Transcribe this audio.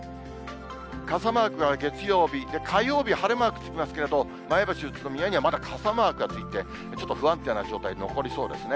傘マークは月曜日、火曜日、晴れマークつきますけれども、前橋、宇都宮にはまだ傘マークがついて、ちょっと不安定な状態、残りそうですね。